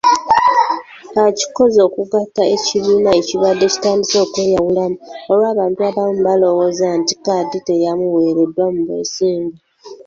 Akikoze okugatta ekibiina ekibadde kitandise okweyawulamu olw'abantu abamu balowooza nti kkaadi teyamuweereddwa mu bwesimbu.